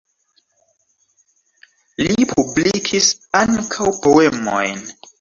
Li publikis ankaŭ poemojn.